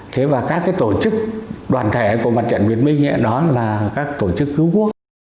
thế và các tổ chức đoàn thể của mặt trận việt minh đó là các tổ chức cứu quốc